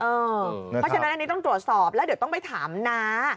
เพราะฉะนั้นอันนี้ต้องตรวจสอบแล้วเดี๋ยวต้องไปถามน้า